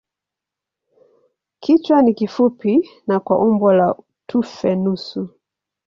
Kichwa ni kifupi na kwa umbo la tufe nusu.